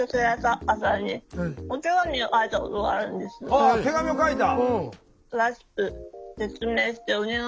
ああ手紙を書いた？